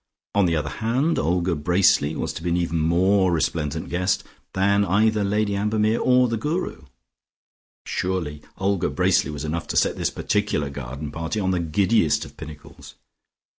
On the other hand Olga Bracely was to be an even more resplendent guest than either Lady Ambermere or the Guru; surely Olga Bracely was enough to set this particular garden party on the giddiest of pinnacles.